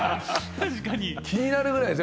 気になるぐらいです。